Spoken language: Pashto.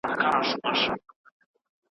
په خولې مې کېږده د سورکو شونډو سرونه